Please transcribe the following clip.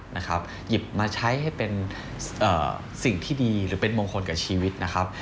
หยิบมาใช้ให้เป็นสิ่งที่ดีหรือเป็นมงคลกับชีวิตนะครับ